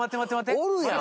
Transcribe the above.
おるやん。